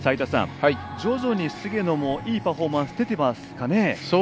徐々に、菅野もいいパフォーマンス出ていますかね。